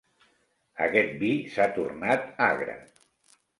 Aquest vi s'ha tornat agre.